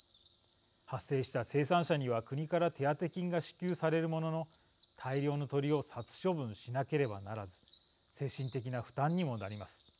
発生した生産者には国から手当金が支給されるものの大量の鳥を殺処分しなければならず精神的な負担にもなります。